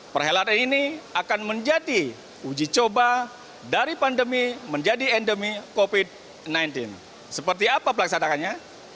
perhelatan ini akan menjadi uji coba dari pandemi menjadi endemi covid sembilan belas seperti apa pelaksanaannya